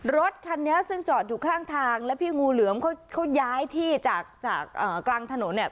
รถคันนี้ซึ่งจอดอยู่ข้างทางแล้วพี่งูเหลือมเขาย้ายที่จากจากกลางถนนเนี่ย